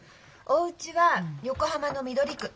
おうちは横浜の緑区。